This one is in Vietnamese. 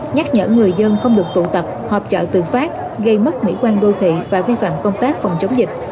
nhắc nhở người dân không được tụ tập hợp trợ tự phát gây mất mỹ quan đô thị và vi phạm công tác phòng chống dịch